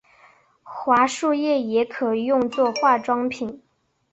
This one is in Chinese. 桦树液也可用做化妆品。